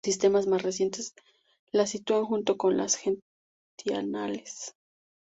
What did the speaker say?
Sistemas más recientes las sitúan junto con las Gentianales.